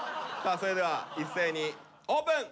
それでは一斉にオープン！